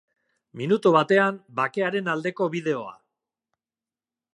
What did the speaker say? Minutu batean bakearen aldeko bideoa.